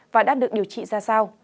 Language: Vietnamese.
và đã được điều trị ra sao